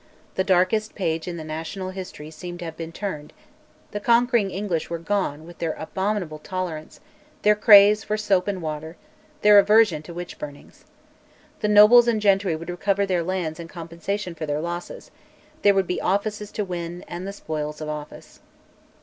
The darkest page in the national history seemed to have been turned; the conquering English were gone with their abominable tolerance, their craze for soap and water, their aversion to witch burnings. The nobles and gentry would recover their lands and compensation for their losses; there would be offices to win, and "the spoils of office."